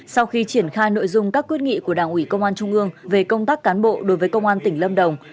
sau khi triển khai nội dung các quyết nghị của đảng ủy công an trung ương về công tác cán bộ đối với công an tỉnh lâm đồng